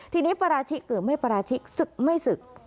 ทีนี้ปราชิกหรือไม่ปราชิกศึกไม่ศึก